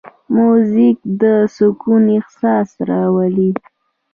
موزیک د سکون احساس راولي.